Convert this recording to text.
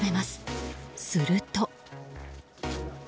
すると。